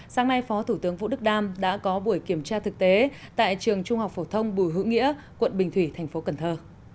sáng nay phó thủ tướng vũ đức đam đã có buổi kiểm tra thực tế tại trường trung học phổ thông bùi hữu nghĩa quận bình thủy thành phố cần thơ